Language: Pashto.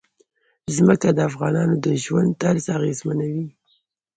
ځمکه د افغانانو د ژوند طرز اغېزمنوي.